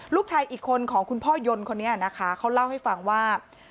ลูกชายอีกคนของคุณพ่อยนต์คนนี้นะคะเขาเล่าให้ฟังว่า